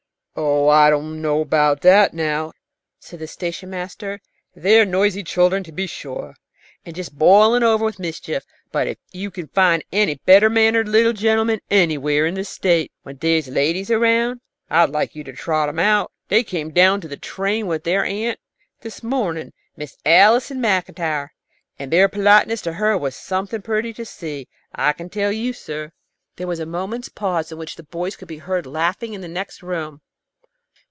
"Oh, I don't know about that, now," said the station master. "They're noisy children, to be sure, and just boiling over with mischief, but if you can find any better mannered little gentlemen anywhere in the State when there's ladies around, I'd like you to trot 'em out. They came down to the train with their aunt this morning, Miss Allison Maclntyre, and their politeness to her was something pretty to see, I can tell you, sir." There was a moment's pause, in which the boys could be heard laughing in the next room.